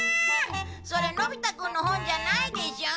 それのび太くんの本じゃないでしょ？